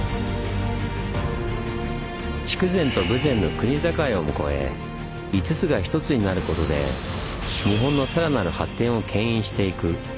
筑前と豊前の国境をもこえ５つが一つになることで日本のさらなる発展を牽引していく。